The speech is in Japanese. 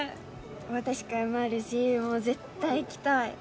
お渡し会もあるしもう絶対行きたい！